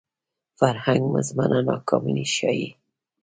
فرهنګ مزمنه ناکامي ښيي